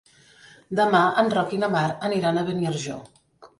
Demà en Roc i na Mar aniran a Beniarjó.